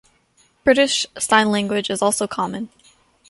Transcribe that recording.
British Sign Language is also common.